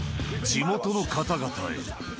地元の方々へ。